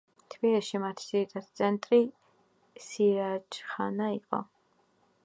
თბილისში მათი ძირითადი ცენტრი „სირაჯხანა“ იყო.